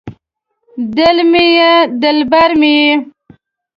دل مې یې دلبر مې یې